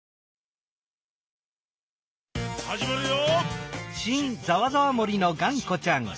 「はじまるよ！」